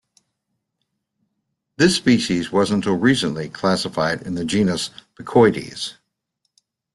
This species was until recently classified in the genus "Picoides".